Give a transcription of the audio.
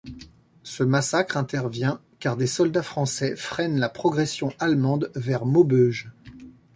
Ce massacre intervient car des soldats français freinent la progression allemande vers Maubeuge.